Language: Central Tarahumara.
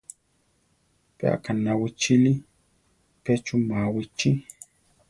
Pe aʼkaná wichíli, pe chuʼmáa wichí.